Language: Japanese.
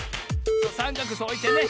さんかくそうおいてね。